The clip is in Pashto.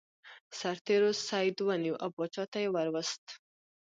سرتیرو سید ونیو او پاچا ته یې ور وست.